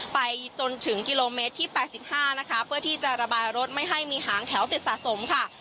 ไปจนถึงกิโลเมตรที่๘๕นะคะเพื่อที่จะระบายรถไม่ให้มีหางแถวติดสะสมค่ะ